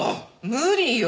無理よ。